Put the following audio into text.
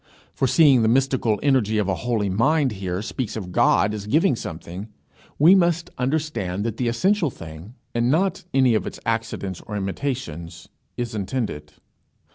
For, seeing the mystical energy of a holy mind here speaks of God as giving something, we must understand that the essential thing, and not any of its accidents or imitations, is intended.